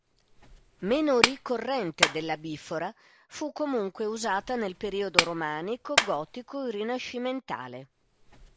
Meno ricorrente della bifora, fu comunque usata nel periodo Romanico, Gotico, e Rinascimentale.